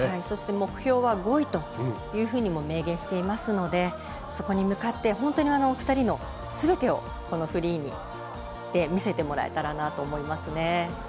そして目標は５位というふうにも明言していますのでそこに向かって本当に２人のすべてをこのフリーで見せてもらえたらなと思いますね。